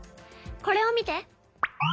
これを見て。